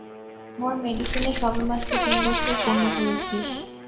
তোর মেডিসিনে সবেমাত্র তিন বছর পূর্ণ করেছিস।